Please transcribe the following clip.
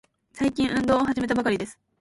最近、運動を始めたばかりです。